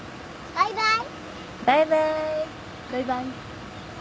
バイバイ。